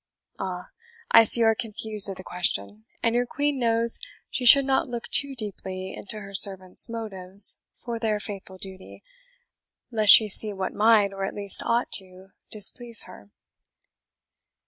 Ah! I see you are confused at the question, and your Queen knows she should not look too deeply into her servants' motives for their faithful duty, lest she see what might, or at least ought to, displease her."